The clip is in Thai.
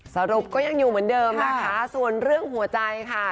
ก็ยังอยู่เหมือนเดิมนะคะส่วนเรื่องหัวใจค่ะ